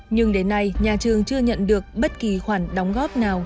nhưng đến nay nhà trường chưa nhận được bất kỳ khoản đóng góp nào